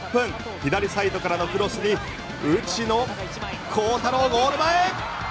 左サイドからのクロスに内野航太郎ゴール前。